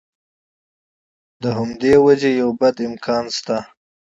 له همدې امله یو بد امکان شته.